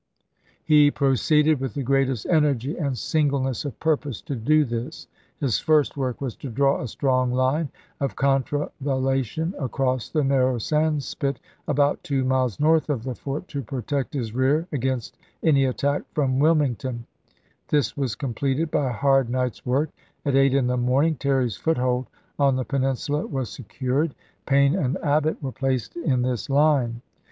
He proceeded with the greatest energy and singleness of purpose to do this. His first work was to draw a strong line of contravallation across the narrow sandspit about two miles north of the fort to protect his rear against any attack from Wilmington ; this was completed by a hard night's Terry, work; at eight in the morning Terry's foothold Jan. 25,1865 on the peninsula was secured ; Paine and Abbott were placed in this line.